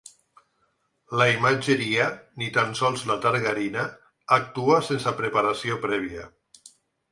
La imatgeria, ni tan sols la targarina, actua sense preparació prèvia.